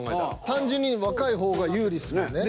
単純に若い方が有利ですもんね。